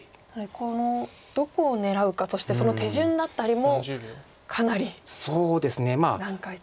このどこを狙うかそしてその手順だったりもかなり難解と。